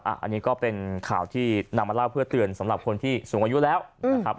อันนี้ก็เป็นข่าวที่นำมาเล่าเพื่อเตือนสำหรับคนที่สูงอายุแล้วนะครับ